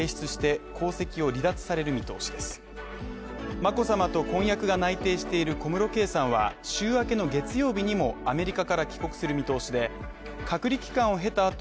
眞子さまと婚約が内定している小室圭さんは、週明けの月曜日にも、アメリカから帰国する見通しで、隔離期間を経た後、